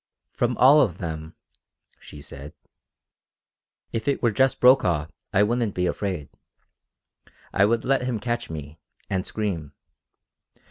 "From all of them," she said. "If it were just Brokaw I wouldn't be afraid. I would let him catch me, and scream.